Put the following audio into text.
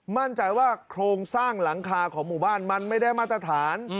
มั่นใจว่าโครงสร้างหลังคาของหมู่บ้านมันไม่ได้มาตรฐาน